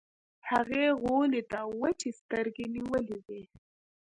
هغې غولي ته وچې سترګې نيولې وې.